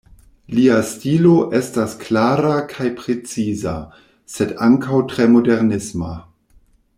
Lia stilo estas klara kaj preciza, sed ankaŭ tre modernisma.